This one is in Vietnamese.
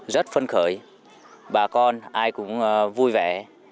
rất phân khởi bà con ai cũng vui vẻ